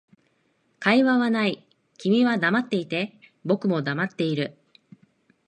会話はない、君は黙っていて、僕も黙っている